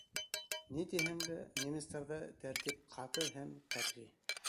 Ни тиһәң дә, немецтарҙа тәртип ҡаты һәм ҡәтғи.